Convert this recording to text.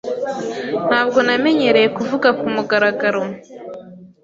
Ntabwo namenyereye kuvuga kumugaragaro.